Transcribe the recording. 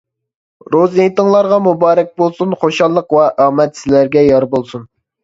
روزى ھېيتىڭلارغا مۇبارەك بولسۇن! خۇشاللىق ۋە ئامەت سىلەرگە يار بولسۇن!